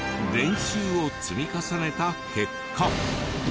練習を積み重ねた結果。